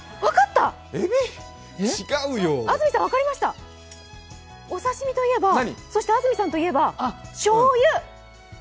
安住さん、分かりました、お刺身といえば、安住さんといえば、しょうゆ！